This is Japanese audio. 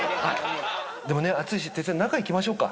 でもね、暑いし、哲代さん、中行きましょうか。